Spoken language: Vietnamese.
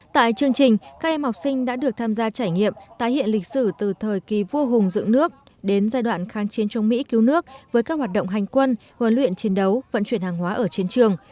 tại chương trình các em học sinh đã được tham gia trải nghiệm tái hiện lịch sử từ thời kỳ vua hùng dựng nước đến giai đoạn kháng chiến trong mỹ cứu nước với các hoạt động hành quân huấn luyện chiến đấu vận chuyển hàng hóa ở chiến trường